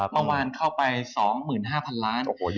เมื่อวานเข้าไป๒๕๐๐๐ล้าน